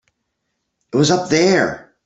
It was up there.